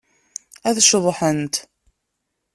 Ad ceḍḥent.